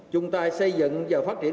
chúng ta xây dựng và phát triển